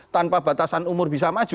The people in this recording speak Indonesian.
tanpa batasan umur bisa maju